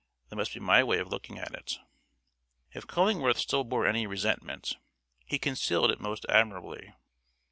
That must be my way of looking at it. If Cullingworth still bore any resentment, he concealed it most admirably.